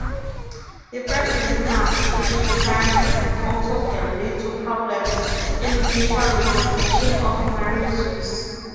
Different minimum age requirements also can lead to problems in mutual recognition of marriages.